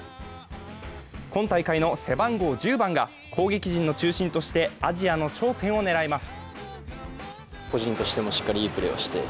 今大会の背番号１０番が攻撃陣の中心としてアジアの頂点を狙います。